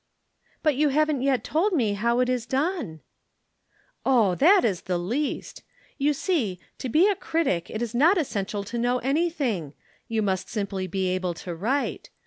"But you haven't yet told me how it is done?" "Oh, that is the least. You see, to be a critic it is not essential to know anything you must simply be able to write.